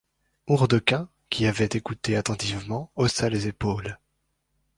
Hourdequin, qui avait écouté attentivement, haussa les épaules.